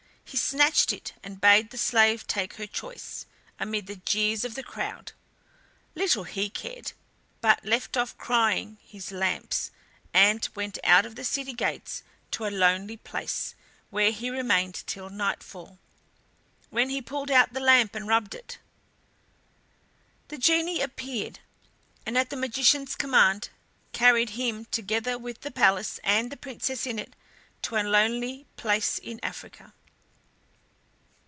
He snatched it and bade the slave take her choice, amid the jeers of the crowd. Little he cared, but left off crying his lamps, and went out of the city gates to a lonely place, where he remained till nightfall, when he pulled out the lamp and rubbed it. The genie appeared, and at the magician's command carried him, together with the palace and the Princess in it, to a lonely place in Africa.